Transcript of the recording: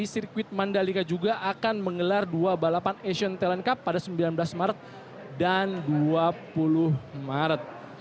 sirkuit mandalika juga akan menggelar dua balapan asian talent cup pada sembilan belas maret dan dua puluh maret